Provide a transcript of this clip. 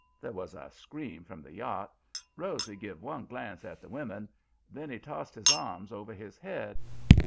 "There was a scream from the yacht. Rosy give one glance at the women. Then he tossed his arms over his head.